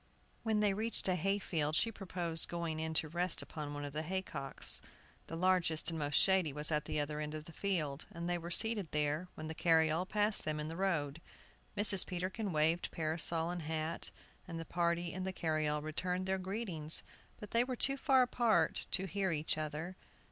When they reached a hay field, she proposed going in to rest upon one of the hay cocks. The largest and most shady was at the other end of the field, and they were seated there when the carryall passed them in the road. Mrs. Peterkin waved parasol and hat, and the party in the carryall returned their greetings, but they were too far apart to hear each other.